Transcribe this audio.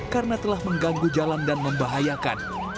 karena telah mengganggu jalan dan membahayakan